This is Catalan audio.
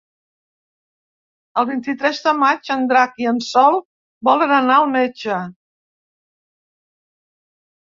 El vint-i-tres de maig en Drac i en Sol volen anar al metge.